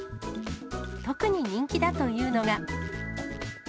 特に人気だというのが。